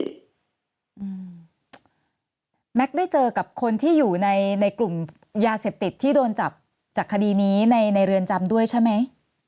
แม็กซ์ได้เจอกับคนที่อยู่ในในกลุ่มยาเสพติดที่โดนจับจากคดีนี้ในในเรือนจำด้วยใช่ไหม